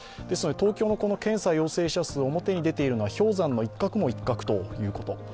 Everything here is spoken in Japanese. ですので東京の検査陽性者、表に出ているのは氷山の一角も一角ということ。